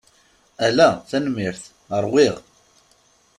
Ala, tenemmirt. Ṛwiɣ.